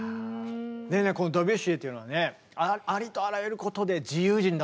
でねこのドビュッシーというのはねありとあらゆることで自由人だったんです。